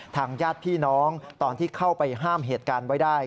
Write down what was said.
ญาติพี่น้องตอนที่เข้าไปห้ามเหตุการณ์ไว้ได้